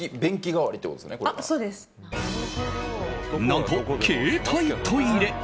何と、携帯トイレ。